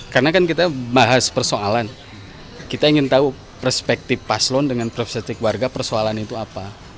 karena kan kita bahas persoalan kita ingin tahu perspektif paslon dengan perspektif warga persoalan itu apa